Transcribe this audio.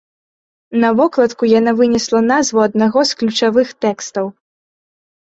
На вокладку яна вынесла назву аднаго з ключавых тэкстаў.